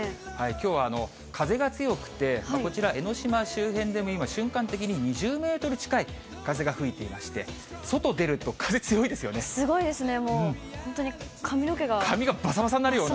きょうは風が強くてこちら、江の島周辺でも今、瞬間的に２０メートル近い風が吹いていまして、すごいですね、髪がばさばさになるような。